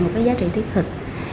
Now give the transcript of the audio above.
một cái giá trị tiết thực